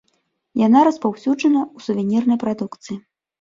Яна распаўсюджана ў сувенірнай прадукцыі.